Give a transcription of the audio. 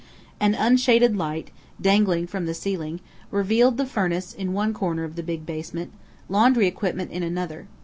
An unshaded light, dangling from the ceiling, revealed the furnace in one corner of the big basement, laundry equipment in another.